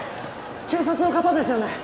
警察の方ですよね？